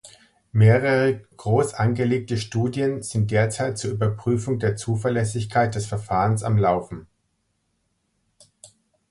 Mehrere groß angelegte Studien sind derzeit zur Überprüfung der Zuverlässigkeit des Verfahrens am Laufen.